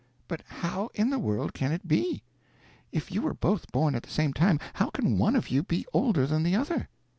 "But how in the world can it be? If you were both born at the same time, how can one of you be older than the other?"